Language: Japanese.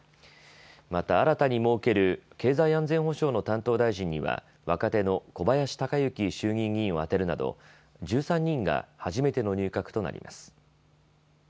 また新たに設ける経済安全保障の担当大臣には若手の小林鷹之衆議院議員を充てるなど１３人が初めての入閣となります。